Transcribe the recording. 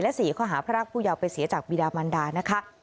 และ๔ข้อหาพรากผู้เยาวไปเสียจากบีดามันดานะคะ